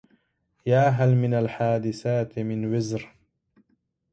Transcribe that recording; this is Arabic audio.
يا هل من الحادثات من وزر